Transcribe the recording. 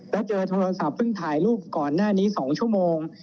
แล้วเจอโทรศัพท์เพิ่งถ่ายรูปก่อนหน้านี้๒ชั่วโมง